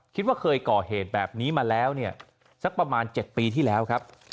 คิดว่าเคยก่อเหตุแบบนี้มาแล้วเนี่ยสักประมาณ๗ปีที่แล้วครับ